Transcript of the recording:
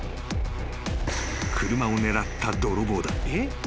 ［車を狙った泥棒だ］